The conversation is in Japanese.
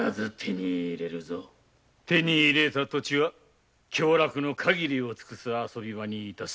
手に入れた土地は享楽のかぎりを尽くす遊び場に致す。